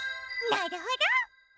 なるほど！